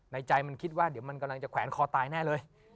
ใจมันคิดว่าเดี๋ยวมันกำลังจะแขวนคอตายแน่เลย